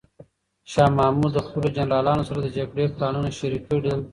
شاه محمود د خپلو جنرالانو سره د جګړې پلانونه شریک کړل.